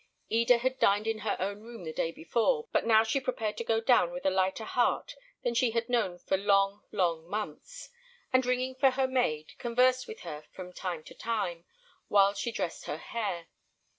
Eda had dined in her own room the day before, but now she prepared to go down with a lighter heart than she had known for long, long months; and ringing for her maid, conversed with her from time to time, while she dressed her hair.